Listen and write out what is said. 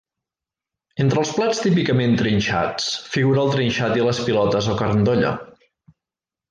Entre els plats típicament trinxats figura el trinxat i les pilotes o carn d'olla.